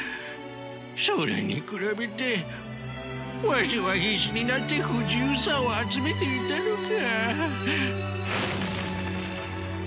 それに比べてわしは必死になって不自由さを集めていたのか。